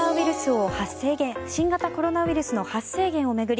新型コロナウイルスの発生源を巡り